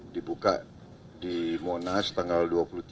dibuka di monas tanggal dua puluh tiga